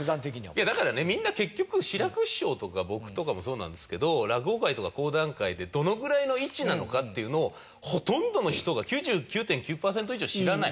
いやだからねみんな結局志らく師匠とか僕とかもそうなんですけど落語界とか講談界でどのぐらいの位置なのかっていうのをほとんどの人が９９．９パーセント以上知らない。